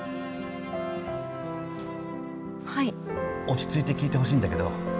落ち着いて聞いてほしいんだけど。